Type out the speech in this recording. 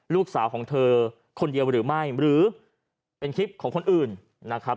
ลูกสาวของเธอคนเดียวหรือไม่หรือเป็นคลิปของคนอื่นนะครับ